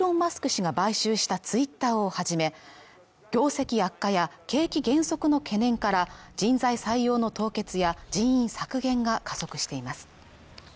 氏が買収したツイッターをはじめ業績悪化や景気減速の懸念から人材採用の凍結や人員削減が加速しています